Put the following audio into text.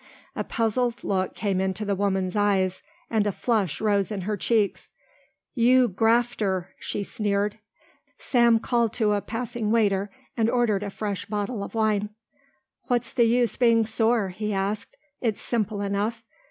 A puzzled look came into the woman's eyes and a flush rose in her cheeks. "You grafter!" she sneered. Sam called to a passing waiter and ordered a fresh bottle of wine. "What's the use being sore?" he asked. "It's simple enough.